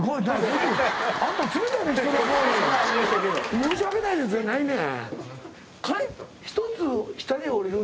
「申し訳ないです」やないねん。